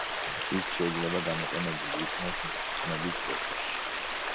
ის შეიძლება გამოყენებული იქნას მყნობის პროცესში.